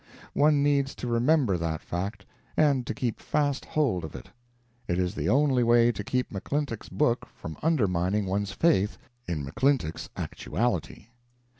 One needs to remember that fact and to keep fast hold of it; it is the only way to keep McClintock's book from undermining one's faith in McClintock's actuality.